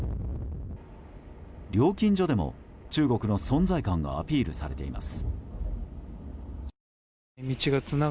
料金所でも中国の存在感がアピールされています。